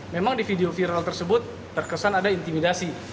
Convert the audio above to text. memang di video viral tersebut terkesan ada intimidasi